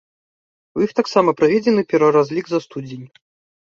У іх таксама праведзены пераразлік за студзень.